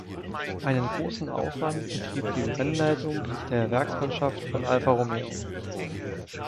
Einen großen Aufwand betrieb die Rennleitung der Werksmannschaft von Alfa Romeo.